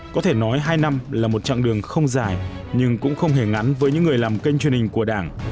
có thể nói hai năm là một chặng đường không dài nhưng cũng không hề ngắn với những người làm kênh truyền hình của đảng